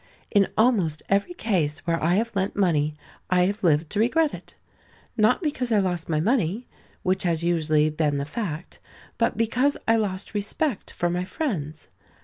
In almost every case where I have lent money, I have lived to regret it. Not because I lost my money (which has usually been the fact), but because I lost respect for my friends.